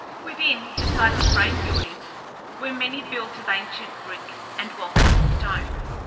Within, beside the frame buildings, were many built of ancient brick and well cut stone.